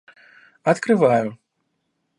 Открываю